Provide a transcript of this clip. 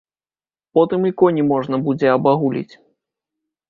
Потым і коні можна будзе абагуліць.